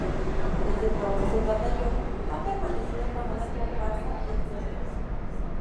Desde entonces el batallón ha permanecido como una comparsa del "centro".